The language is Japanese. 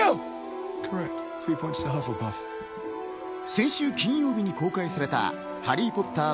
先週金曜日に公開された『ハリー・ポッター』